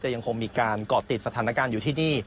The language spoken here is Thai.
ยังคงมีการเกาะติดสถานการณ์อยู่ที่นี่